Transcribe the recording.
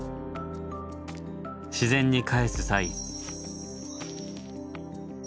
自然に返す際。